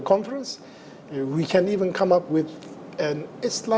kami bisa mencapai